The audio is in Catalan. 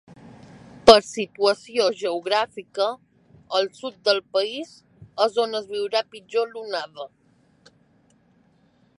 Per situació geogràfica, al sud del país és on es viurà pitjor l’onada.